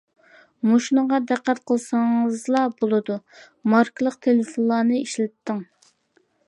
مۇشۇنىڭغا دىققەت قىلسىڭىزلا بولىدۇ، ماركىلىق تېلېفونلارنى ئىشلىتىڭ.